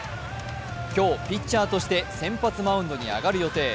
今日、ピッチャーとして先発マウンドに上がる予定。